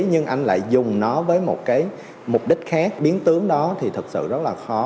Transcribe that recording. nhưng anh lại dùng nó với một cái mục đích khác biến tướng đó thì thật sự rất là khó